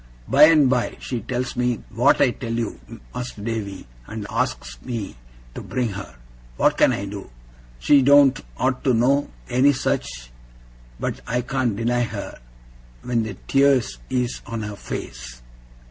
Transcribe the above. By and by she tells me what I tell you, Mas'r Davy, and asks me to bring her. What can I do? She doen't ought to know any such, but I can't deny her, when the tears is on her face.